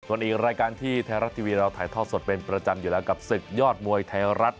ส่วนอีกรายการที่ไทยรัฐทีวีเราถ่ายทอดสดเป็นประจำอยู่แล้วกับศึกยอดมวยไทยรัฐ